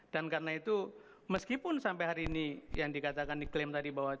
dan karena itu meskipun sampai hari ini yang dikatakan diklaim tadi bahwa